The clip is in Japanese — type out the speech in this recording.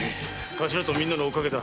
頭とみんなのおかげだ。